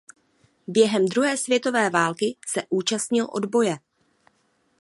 Během druhé světové války se účastnil odboje.